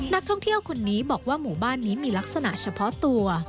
นักท่องเที่ยวคนนี้บอกว่าหมู่บ้านนี้มีลักษณะเฉพาะตัว